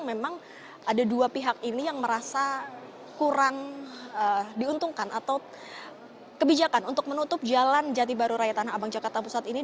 memang ada dua pihak ini yang merasa kurang diuntungkan atau kebijakan untuk menutup jalan jati baru raya tanah abang jakarta pusat ini